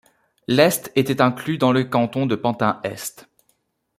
L'est était inclus dans le canton de Pantin-Est.